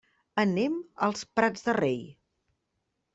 Anem als Prats de Rei.